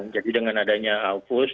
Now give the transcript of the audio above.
jadi dengan adanya aukus